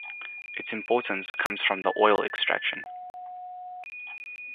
Its importance comes from the oil extraction.